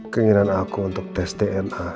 keinginan aku untuk tes dna